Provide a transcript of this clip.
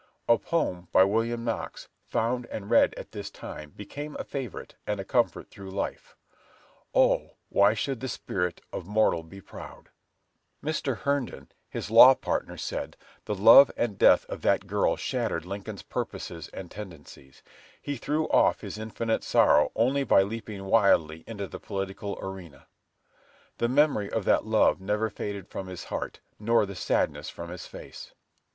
A poem by William Knox, found and read at this time, became a favorite and a comfort through life, "Oh, why should the spirit of mortal be proud?" Mr. Herndon, his law partner, said, "The love and death of that girl shattered Lincoln's purposes and tendencies. He threw off his infinite sorrow only by leaping wildly into the political arena." The memory of that love never faded from his heart, nor the sadness from his face.